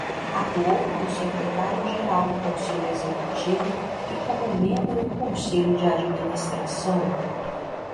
Atuou como secretário-geral do Conselho Executivo e como membro do Conselho de administração.